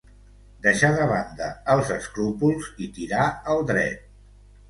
Deixar de banda els escrúpols i tirar al dret.